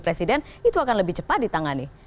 presiden itu akan lebih cepat ditangani